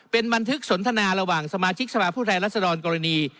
เป็นบันทึกสนทนาระหว่างสมาชิกสภาพผู้แทนรัศดรกรณี